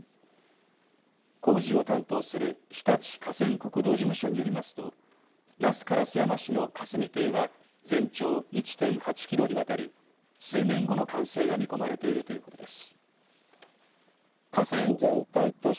工事を担当する常陸河川国道事務所によりますと那須烏山市の霞堤は全長１．８キロにわたり数年後の完成が見込まれているということです。